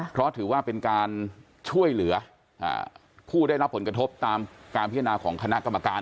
เพราะถือว่าเป็นการช่วยเหลือผู้ได้รับผลกระทบตามการพิจารณาของคณะกรรมการ